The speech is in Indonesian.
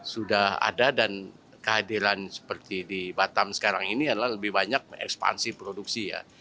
sudah ada dan kehadiran seperti di batam sekarang ini adalah lebih banyak ekspansi produksi ya